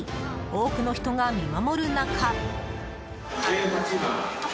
多くの人が見守る中。